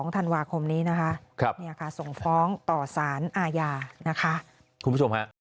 ธันวาคมนี้นะคะส่งฟ้องต่อสารอาญานะคะคุณผู้ชมฮะ